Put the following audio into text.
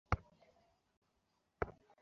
আমাদের প্লানটাকে ভেস্তে দিয়েছ।